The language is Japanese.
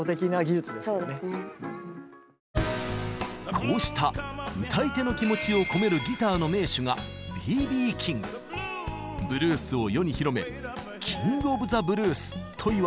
こうした歌い手の気持ちを込めるギターの名手がブルースを世に広めキング・オブ・ザ・ブルースといわれています。